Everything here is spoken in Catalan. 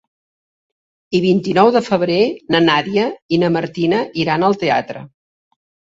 El vint-i-nou de febrer na Nàdia i na Martina iran al teatre.